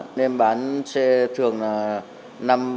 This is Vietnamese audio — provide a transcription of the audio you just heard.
bọn em bán xe thường là